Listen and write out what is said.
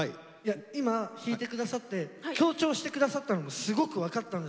今弾いて下さって強調して下さったのもすごく分かったんですけど。